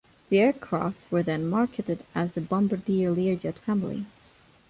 The aircraft were then marketed as the "Bombardier Learjet Family".